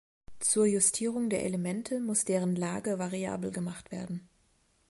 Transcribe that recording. Zur Justierung der Elemente muss deren Lage variabel gemacht werden.